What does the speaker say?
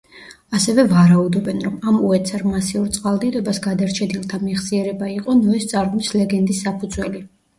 ასევე ვარაუდობენ, რომ ამ უეცარ მასიურ წყალდიდობას გადარჩენილთა მეხსიერება იყო ნოეს წარღვნის ლეგენდის საფუძველი.